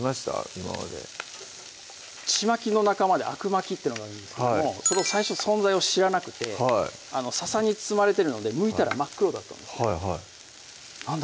今までちまきの仲間であくまきっていうのがあるんですけども最初存在を知らなくてささに包まれてるのでむいたら真っ黒だったんです何だ？